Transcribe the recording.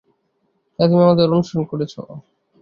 তাই তুমি আমাদের অনুসরণ করেছ?